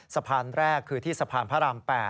สะพานแรกคือที่สะพานพระราม๘